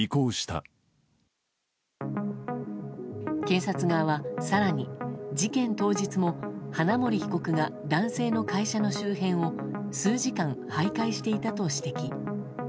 検察側は、更に事件当日も花森被告が男性の会社の周辺を数時間徘徊していたと指摘。